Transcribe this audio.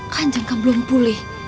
kanjung kan belum pulih